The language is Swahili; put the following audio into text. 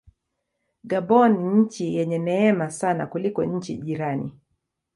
Gabon ni nchi yenye neema sana kuliko nchi jirani.